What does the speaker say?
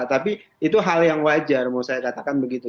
tapi itu hal yang wajar mau saya katakan begitu